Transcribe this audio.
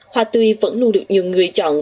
hoa tươi vẫn luôn được nhiều người chọn